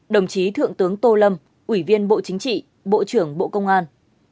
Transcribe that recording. một mươi bốn đồng chí thượng tướng tô lâm ủy viên bộ chính trị bộ trưởng bộ công an